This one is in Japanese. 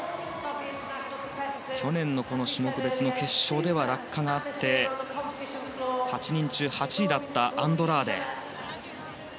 去年の種目別の決勝では落下があって、８人中８位だったアンドラーデ。